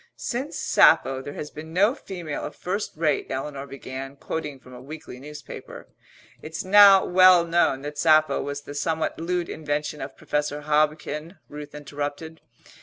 "Since Sappho there has been no female of first rate " Eleanor began, quoting from a weekly newspaper. "It's now well known that Sappho was the somewhat lewd invention of Professor Hobkin," Ruth interrupted.